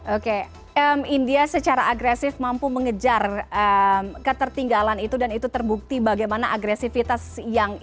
oke india secara agresif mampu mengejar ketertinggalan itu dan itu terbukti bagaimana agresivitas yang